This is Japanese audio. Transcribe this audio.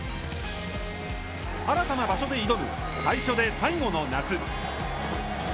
新たな場所で挑む、最初で最後の夏。